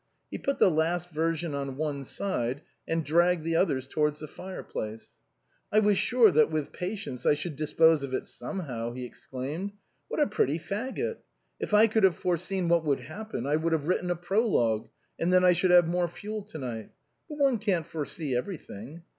He put the last version on one side, and dragged the others towards the fire place. " I was sure that with patience I should dispose of it somehow," he exclaimed. "What a pretty fagot! If I could have foreseen what would happen, I could have writ ten a prologue, and then I should have more fuel to night. But one can't foresee everything."